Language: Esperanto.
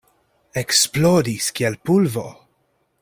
Eksplodis kiel pulvo.